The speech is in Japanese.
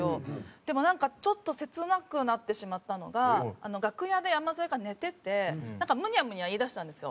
でもなんかちょっと切なくなってしまったのが楽屋で山添が寝ててなんかムニャムニャ言い出したんですよ。